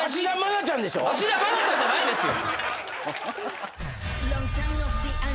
芦田愛菜ちゃんじゃないですよ！